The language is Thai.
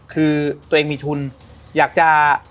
คือตัวเองมีทุนอยากจะ